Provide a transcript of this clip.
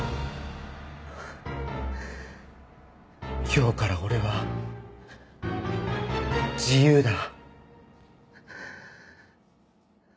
今日から俺は自由だ。